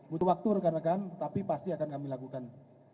butuh waktu rekan rekan tetapi pasti akan kami lakukan